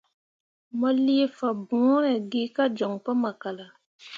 Mo lii fambõore gi kah joɲ pu makala.